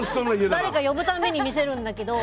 誰か呼ぶ度に見せるんだけど。